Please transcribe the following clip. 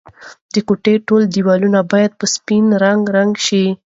د کوټې ټول دیوالونه باید په شین رنګ رنګ شي.